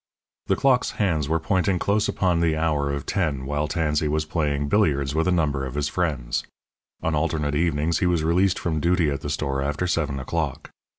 The clock's hands were pointing close upon the hour of ten while Tansey was playing billiards with a number of his friends. On alternate evenings he was released from duty at the store after seven o'clock.